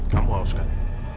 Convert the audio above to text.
kamu haus kan